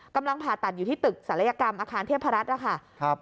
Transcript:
กำลังผ่าตัดอยู่ที่ตึกศัลยกรรมอาคารเทพรัฐนะคะ